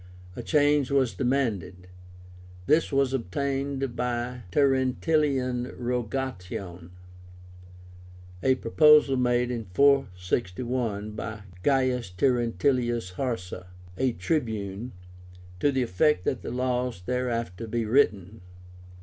A change was demanded. This was obtained by the TERENTILIAN ROGATION, a proposal made in 461 by Gaius Terentilius Harsa, a Tribune, to the effect that the laws thereafter be written.